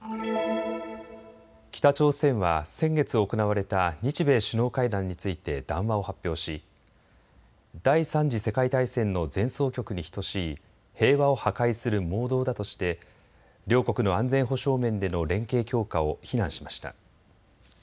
北朝鮮は先月行われた日米首脳会談について談話を発表し第３次世界大戦の前奏曲に等しい平和を破壊する妄動だとして両国の安全保障面での連携強化を非難しました。